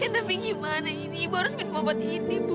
tapi gimana ini ibu harus minum obat ini bu